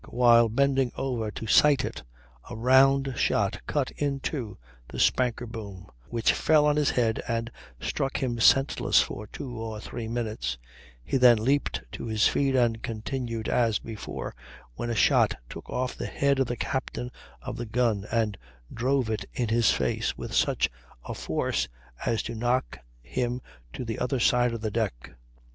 While bending over to sight it a round shot cut in two the spanker boom, which fell on his head and struck him senseless for two or three minutes; he then leaped to his feet and continued as before, when a shot took off the head of the captain of the gun and drove it in his face with such a force as to knock him to the other side of the deck.